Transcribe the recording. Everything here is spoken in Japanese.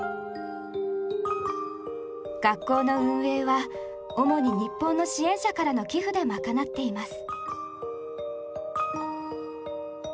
学校の運営は主に日本の支援者からの寄付で賄っています。